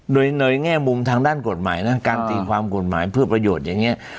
โดยในแง่มุมทางด้านกฎหมายนะการตีความกฎหมายเพื่อประโยชน์อย่างนี้